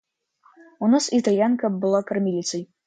У нас Итальянка была кормилицей.